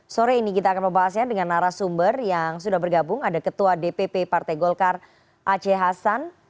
sore ini kita akan membahasnya dengan narasumber yang sudah bergabung ada ketua dpp partai golkar aceh hasan